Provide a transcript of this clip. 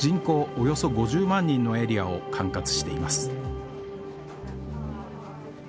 およそ５０万人のエリアを管轄しています